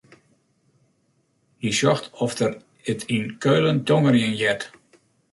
Hy sjocht oft er it yn Keulen tongerjen heart.